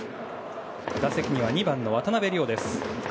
打席には２番の渡邉諒です。